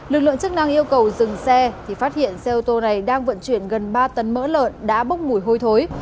lực lượng chức năng yêu cầu dừng xe thì phát hiện xe ô tô này đang vận chuyển gần ba tấn mỡ lợn đã bốc mùi hôi thối